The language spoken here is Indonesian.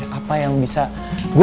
bisa gua lakuin untuk lu bisa maafin gua